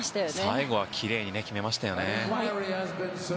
最後はきれいに決めましたね。